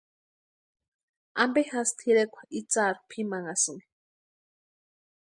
¿Ampe jásï tʼirekwa itsarhu pʼimanhasïnki?